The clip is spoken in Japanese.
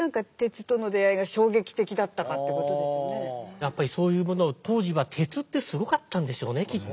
やっぱりそういうもの当時は鉄ってすごかったんでしょうねきっと。